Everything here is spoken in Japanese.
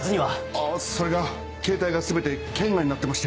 あぁそれがケータイが全て圏外になってまして。